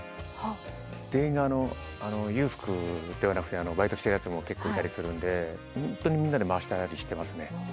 全員が裕福ではなくてバイトしてるやつも結構いたりするんで本当にみんなで回したりしてますね。